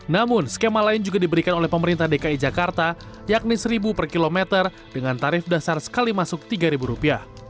namun skema lain juga diberikan oleh pemerintah dki jakarta yakni rp satu per kilometer dengan tarif dasar sekali masuk rp tiga